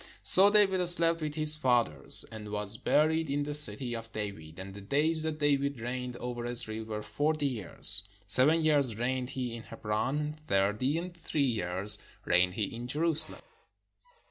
So David slept with his fathers, and was buried in the city of David. And the days that David reigned over Israel were forty years: seven years reigned he in Hebron, and thirty and three years reigned he in Jerusalem.